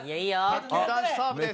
卓球男子サーブです。